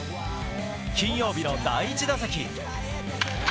金曜日の第１打席。